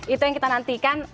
itu yang kita nantikan